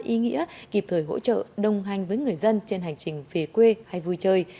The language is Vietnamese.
ý nghĩa kịp thời hỗ trợ đồng hành với người dân trên hành trình về quê hay vui chơi